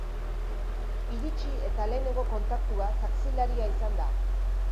Iritsi eta lehenengo kontaktua, taxilaria izan da.